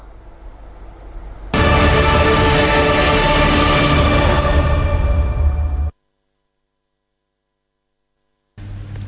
kinh tế phương nam